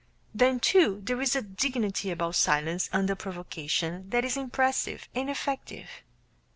Then, too, there is a dignity about silence under provocation that is impressive and effective.